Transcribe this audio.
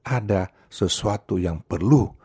ada sesuatu yang perlu